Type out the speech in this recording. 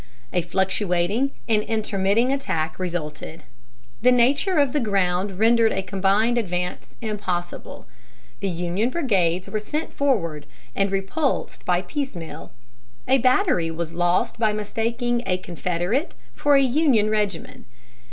A fluctuating and intermitting attack resulted. The nature of the ground rendered a combined advance impossible. The Union brigades were sent forward and repulsed by piecemeal. A battery was lost by mistaking a Confederate for a Union regiment.